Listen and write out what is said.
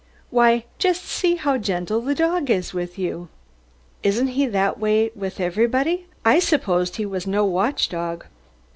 Why, just see how gentle the dog is with you!" "Isn't he that way with everybody? I supposed he was no watchdog."